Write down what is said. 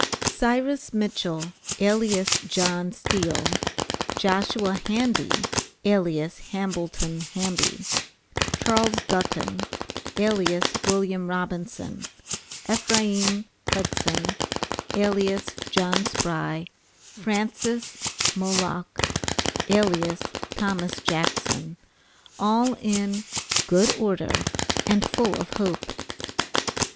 CYRUS MITCHELL, alias JOHN STEEL; JOSHUA HANDY, alias HAMBLETON HAMBY; CHARLES DULTON, alias WILLIAM ROBINSON; EPHRAIM HUDSON, alias JOHN SPRY; FRANCIS MOLOCK, alias THOMAS JACKSON; all in "good order" and full of hope.